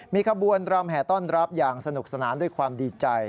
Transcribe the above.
มีขบวนรำแห่ต้อนรับอย่างสนุกสนานด้วยความดีใจ